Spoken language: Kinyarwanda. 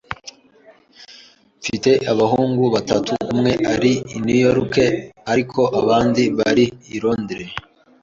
Mfite abahungu batatu. Umwe ari i New York, ariko abandi bari i Londres.